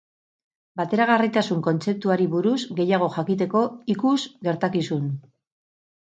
Bateragarritasun kontzeptuari buruz gehiago jakiteko, ikus Gertakizun.